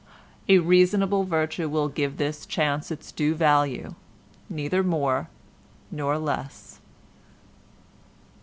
A reasonable virtue will give this chance its due value, neither more nor less.